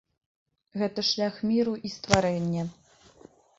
Гэта шлях міру і стварэння.